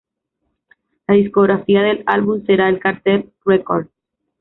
La discográfica del álbum será El Cartel Records.